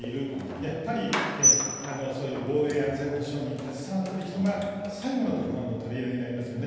やっぱり、そういう防衛安全保障に携わっている人が最後のところの取り合いになりますよね。